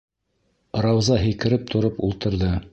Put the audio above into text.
Рауза һикереп тороп ултырҙы.